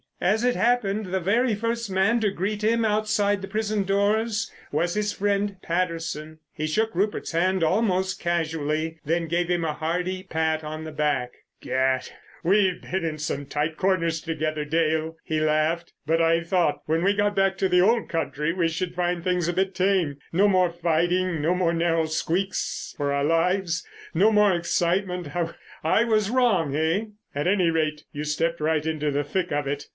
As it happened the very first man to greet him outside the prison doors was his friend, Patterson. He shook Rupert's hand almost casually, then gave him a hearty pat on the back. "Gad, we've been in some tight corners together, Dale," he laughed. "But I thought when we got back to the old country we should find things a bit tame—no more fighting, no more narrow squeaks for our lives, no more excitement. I was wrong, eh? At any rate you stepped right into the thick of it.